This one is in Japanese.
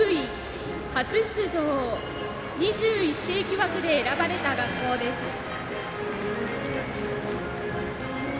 ２１世紀枠で選ばれた学校です。